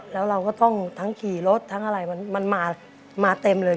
แล้วเราก็ต้องทั้งขี่รถทั้งอะไรมันมาเต็มเลย